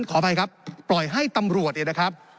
ขออภัยครับปล่อยให้ตำรวจเนี่ยนะครับ